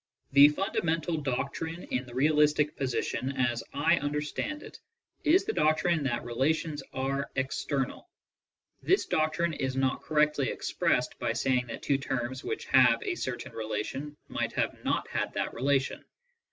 The fundamental doctrine in the realistic position, as I under stand it, is the doctrine that relations are ''external." This doc trine is not correctly expressed by saying that two terms which have a certain relation might have not had that relation.